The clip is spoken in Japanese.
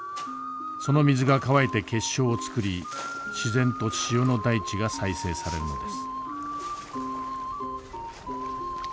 その水が乾いて結晶を作り自然と塩の大地が再生されるのです。